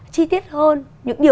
chi tiết hơn